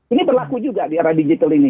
ini berlaku juga di era digital ini